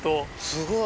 すごい。